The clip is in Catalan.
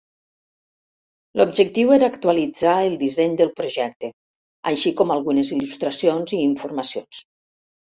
L'objectiu era actualitzar el disseny del projecte, així com algunes il·lustracions i informacions.